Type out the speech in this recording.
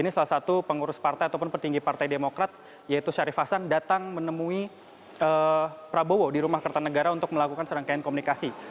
ini salah satu pengurus partai ataupun petinggi partai demokrat yaitu syarif hasan datang menemui prabowo di rumah kertanegara untuk melakukan serangkaian komunikasi